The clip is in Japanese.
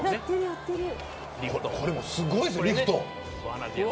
これもすごいですね、リフト。